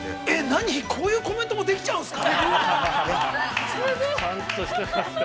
◆何、こういうコメントもできちゃうんですか。